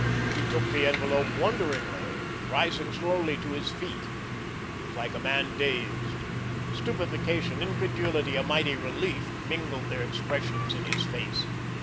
He took the envelope wonderingly, rising slowly to his feet. He was like a man dazed. Stupefaction, incredulity, a mighty relief, mingled their expressions in his face.